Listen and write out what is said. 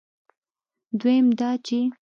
دویم دا چې